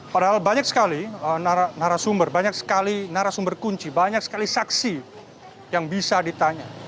padahal banyak sekali narasumber banyak sekali narasumber kunci banyak sekali saksi yang bisa ditanya